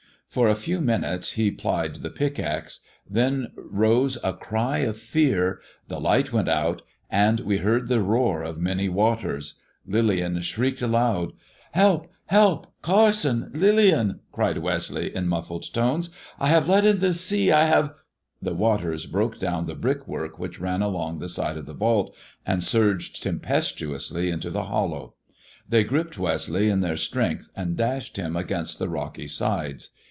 For a few minutes h plied the pickaxe; then rose a cry of fear, the b'ght went out, and we heard the roar of many waters. LilliaB shrieked aloud. " Help — help — Carson — Lillian 1 " cried Westleigh ifl muffled tones. "I have let in the sea. I have " The waters broke down the brickwork which ran along the side of the vault, and surged tempestuously into th« hollow. They gripped Westleigh in their strength ani dashed him against the rocky sides.